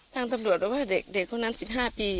ทางตำรวจหรือว่าเด็กคนนั้น๑๕ปี